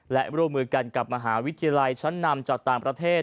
และร่วมมือกันกับมหาวิทยาลัยชั้นนำจากต่างประเทศ